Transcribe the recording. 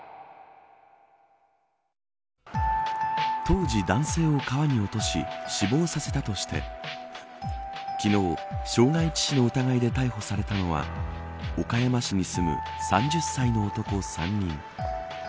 当時、男性を川に落とし死亡させたとして昨日、傷害致死の疑いで逮捕されたのは岡山市に住む３０歳の男３人。